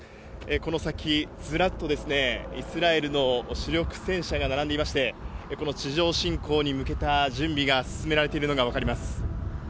この先ずらっとですね、イスラエルの主力戦車が並んでいまして、この地上侵攻に向けた準備が進められているのが分かります。